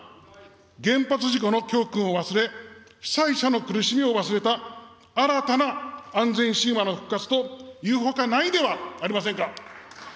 原発事故の教訓を忘れ、被災者の苦しみを忘れた、新たな安全神話の復活というほかないではありませんか。